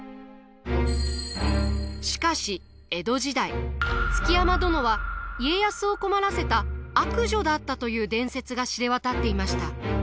しかし江戸時代築山殿は家康を困らせた悪女だったという伝説が知れ渡っていました。